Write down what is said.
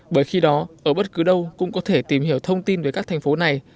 bởi khi đó ở bất cứ đâu cũng có thể tìm hiểu thông tin về các thành phố này